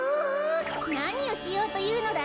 なにをしようというのだ！